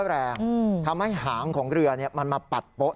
ก็คือโป๊ะนี้เป็นโป๊ะสำหรับเทียบเรือของเรือด่วนเจ้าพระยาเขาหรือเปล่า